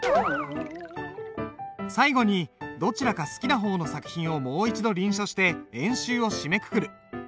最後にどちらか好きな方の作品をもう一度臨書して演習を締めくくる。